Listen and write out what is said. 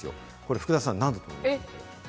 福田さん、何だと思いますか？